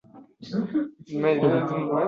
qilmoqchisiz?